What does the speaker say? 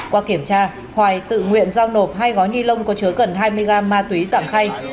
qua kiểm tra hoài tự nguyện giao nộp hai gói ni lông có chứa gần hai mươi gram ma túy giảm khay